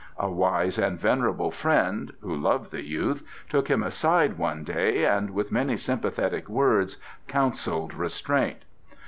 A wise and venerable friend who loved the youth took him aside one day and with many sympathetic words counselled restraint.